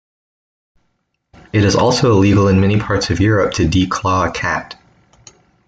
It is also illegal in many parts of Europe to declaw a cat.